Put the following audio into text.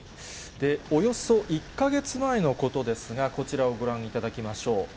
およそ１か月前のことですが、こちらをご覧いただきましょう。